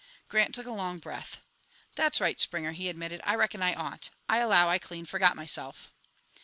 Grant took a long breath. "That's right, Springer," he admitted, "I reckon I ought. I allow I clean forgot myself."